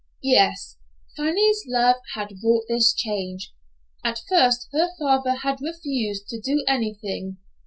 Yes, Fanny's love had wrought this change. At first her father had refused to do anything.